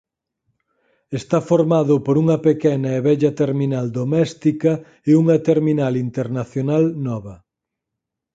Está formado por unha pequena e vella terminal doméstica e unha terminal internacional nova.